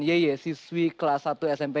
yeye siswi kelas satu smp